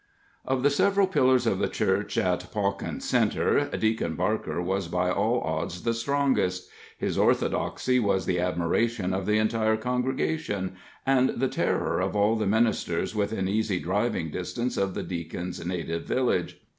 Of the several pillars of the Church at Pawkin Centre, Deacon Barker was by all odds the strongest. His orthodoxy was the admiration of the entire congregation, and the terror of all the ministers within easy driving distance of the Deacon's native village.